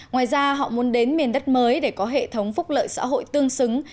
ngoài ra họ muốn đến miền đất mới để có hệ thống phúc lợi xã hội tương xứng